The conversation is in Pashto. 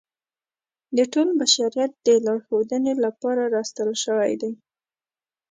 د ټول بشریت د لارښودنې لپاره را استول شوی دی.